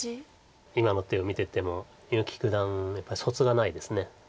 今の手を見てても結城九段やっぱりそつがないです。